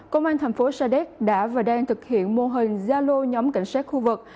công an thành phố sa đéc đã và đang thực hiện mô hình gia lô nhóm cảnh sát khu vực